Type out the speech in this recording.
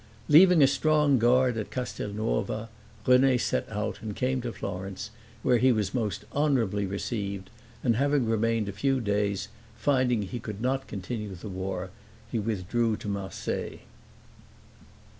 Leaving a strong guard at Castelnuova René set out and came to Florence, where he was most honorably received; and having remained a few days, finding he could not continue the war, he withdrew to Marseilles.